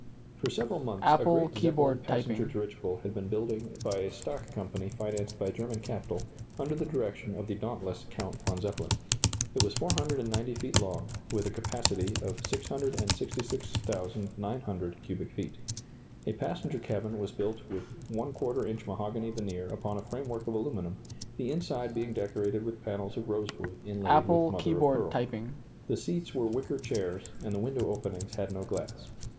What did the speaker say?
For several months a great Zeppelin passenger dirigible had been building by a stock company financed by German capital, under the direction of the dauntless Count von Zeppelin. It was 490 feet long, with a capacity of 666,900 cubic feet. A passenger cabin was built with ¼ inch mahogany veneer upon a framework of aluminum, the inside being decorated with panels of rosewood inlaid with mother of pearl. The seats were wicker chairs, and the window openings had no glass.